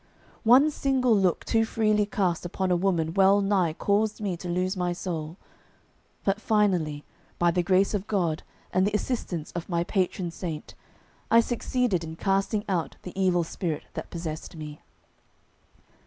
One single look too freely cast upon a woman well nigh caused me to lose my soul; but finally by the grace of God and the assistance of my patron saint, I succeeded in casting out the evil spirit that possessed me.